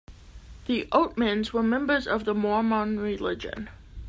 The Oatmans were members of the Mormon religion.